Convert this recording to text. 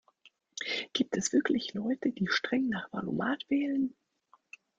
Gibt es wirklich Leute, die streng nach Wahl-o-mat wählen?